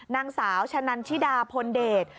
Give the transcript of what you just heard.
นางสาวชะนันชิดาพลเดช